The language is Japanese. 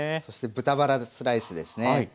そして豚バラスライスですね。